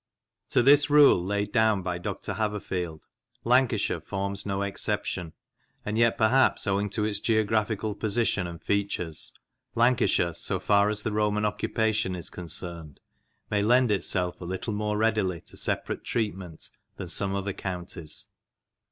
To this rule, laid down by Dr. Haverfield, Lancashire forms no exception, and yet perhaps, owing to its geographical position and features, Lancashire, so far as the Roman occupation is concerned, may lend itself a little more readily to separate treatment than some other counties.